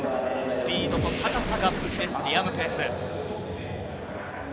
スピードと高さが売りです、リアム・ペース。